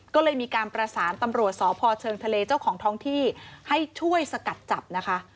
ก็เลยมีการประสานตำรวจสพเชิงทะเลเจ้าของท้องที่ให้ช่วยสกัดจับนะคะ